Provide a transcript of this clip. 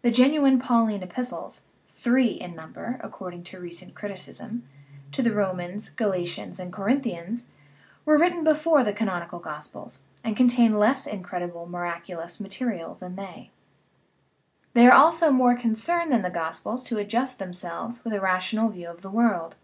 The genuine Pauline epistles (three in number, according to recent criticism to the Romans, Gala tians, and Corinthians) were written before the canoni cal gospels, and contain less incredible miraculous mat ter than they. They are also more concerned than the 312 SCIENCE AND CHRISTIANITY gospels to adjust themselves with a rational view of the world.